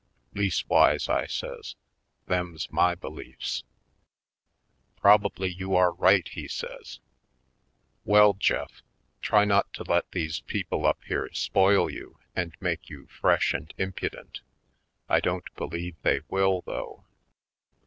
Leas' wise," I says, "them's my beliefs." "Probably you are right," he says. "Well, Jeff, try not to let these people up here spoil you and make you fresh and im pudent. I don't believe they will, though."